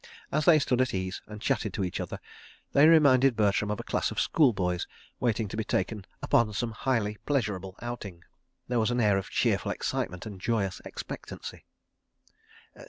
As they stood at ease and chatted to each other, they reminded Bertram of a class of schoolboys waiting to be taken upon some highly pleasurable outing. There was an air of cheerful excitement and joyous expectancy.